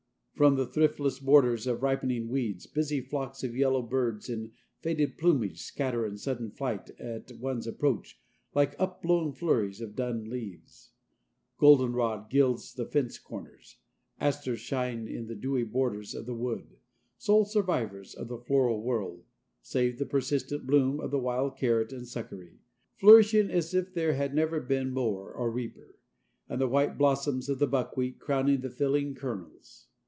From the thriftless borders of ripening weeds busy flocks of yellowbirds in faded plumage scatter in sudden flight at one's approach like upblown flurries of dun leaves. Goldenrod gilds the fence corners, asters shine in the dewy borders of the woods, sole survivors of the floral world save the persistent bloom of the wild carrot and succory flourishing as if there had never been mower or reaper and the white blossoms of the buckwheat crowning the filling kernels.